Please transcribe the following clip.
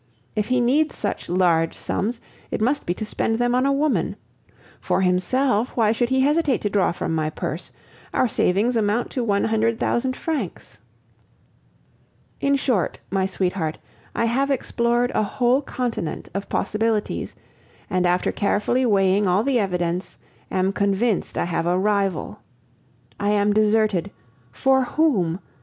If he needs such large sums, it must be to spend them on a woman. For himself, why should he hesitate to draw from my purse? Our savings amount to one hundred thousand francs! In short, my sweetheart, I have explored a whole continent of possibilities, and after carefully weighing all the evidence, am convinced I have a rival. I am deserted for whom?